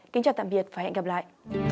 kính chào tạm biệt và hẹn gặp lại